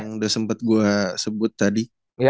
yang udah sempat gue sebut tadi